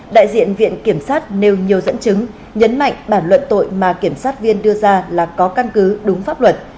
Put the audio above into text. đại diện viện kiểm sát nêu nhiều dẫn chứng nhấn mạnh bản luận tội mà kiểm sát viên đưa ra là có căn cứ đúng pháp luật